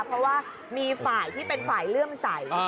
เพราะว่ามีฝ่ายที่เป็นฝ่ายเลื่อมใส